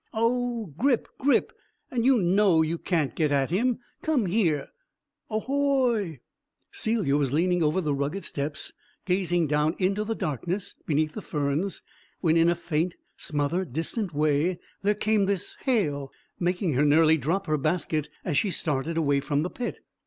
"Oh, Grip, Grip! And you know you can't get at him. Come here." "Ahoy!" Celia was leaning over the rugged steps, gazing down into the darkness beneath the ferns, when, in a faint, smothered, distant way, there came this hail, making her nearly drop her basket as she started away from the pit.